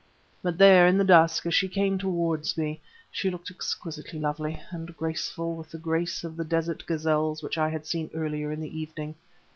But there, in the dusk, as she came towards me, she looked exquisitely lovely, and graceful with the grace of the desert gazelles which I had seen earlier in the evening.